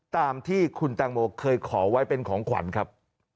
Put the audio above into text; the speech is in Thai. ตามที่คุณตังโมเคยขอไว้เป็นของขวัญครับ